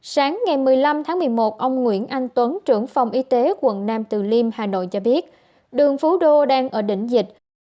sáng ngày một mươi năm tháng một mươi một ông nguyễn anh tuấn trưởng phòng y tế quận nam từ liêm hà nội cho biết đường phú đô đang ở đỉnh dịch